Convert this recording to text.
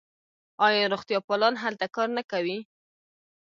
آیا روغتیاپالان هلته کار نه کوي؟